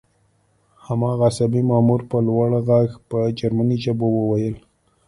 هماغه عصبي مامور په لوړ غږ په جرمني ژبه وویل